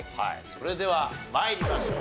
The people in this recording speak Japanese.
それでは参りましょう。